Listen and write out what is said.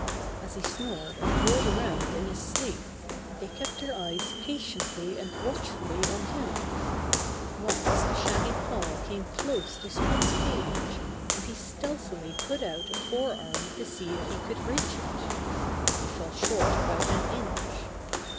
As he snored and rolled around in his sleep, they kept their eyes patiently and watchfully on him. Once a shaggy paw came close to Spot's cage, and he stealthily put out a fore arm to see if he could reach it. He fell short about an inch.